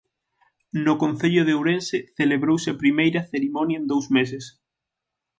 No concello de Ourense celebrouse a primeira cerimonia en dous meses.